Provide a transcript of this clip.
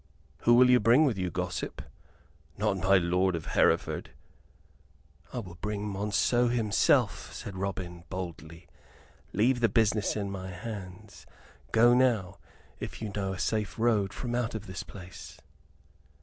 "Who will you bring with you, gossip? Not my lord of Hereford?" "I will bring Monceux himself," said Robin, boldly. "Leave the business in my hands. Go now, if you know a safe road from out of this place."